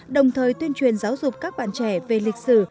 đồng thời tuyên truyền giáo dục các bạn trẻ về lịch sử